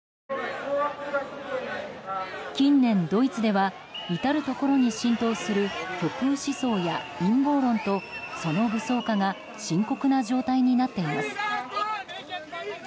近年、ドイツでは至るところに浸透する極右思想や陰謀論とその武装化が深刻な状態になっています。